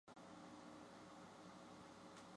加提奈地区巴尔维勒人口变化图示